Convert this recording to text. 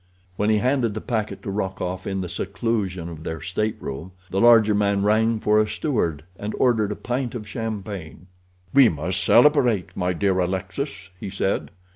When he handed the packet to Rokoff in the seclusion of their stateroom the larger man rang for a steward, and ordered a pint of champagne. "We must celebrate, my dear Alexis," he said.